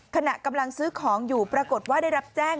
ขณะกำลังซื้อของอยู่ปรากฏว่าได้รับแจ้ง